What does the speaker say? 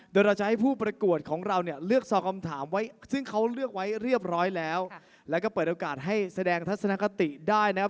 โดยเราจะให้ผู้ประกวดของเราเนี่ยเลือกซอคำถามไว้ซึ่งเขาเลือกไว้เรียบร้อยแล้วแล้วก็เปิดโอกาสให้แสดงทัศนคติได้นะครับ